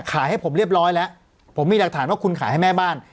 ให้ผมเรียบร้อยแล้วผมมีหลักฐานว่าคุณขายให้แม่บ้าน